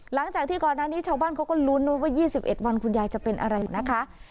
หลังจากที่ก่อนหน้านี้ชาวบ้านเขาก็ลุ้นว่า๒๑วันคุณยายจะเป็นอะไรนะคะ